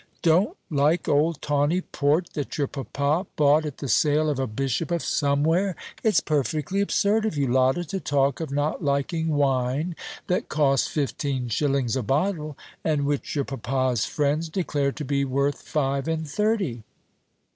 "Don't like old tawny port, that your papa bought at the sale of a bishop of somewhere? It's perfectly absurd of you, Lotta, to talk of not liking wine that cost fifteen shillings a bottle, and which your papa's friends declare to be worth five and thirty."